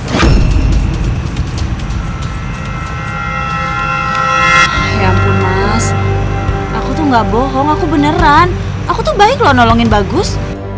ya ampun mas aku tuh gak bohong aku beneran aku tuh baik loh nolongin bagus